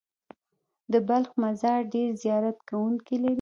د بلخ مزار ډېر زیارت کوونکي لري.